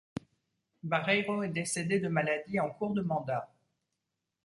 Bareiro est décédé de maladie en cours de mandat.